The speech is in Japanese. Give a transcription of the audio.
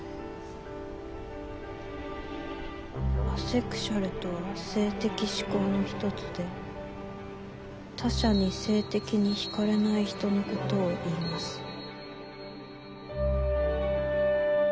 「アセクシュアルとは性的指向の一つで他者に性的に惹かれない人のことをいいます」。